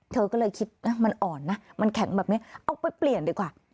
เธอก็เลยคิดนะมันอ่อนนะมันแข็งแบบนี้เอาไปเปลี่ยนดีกว่า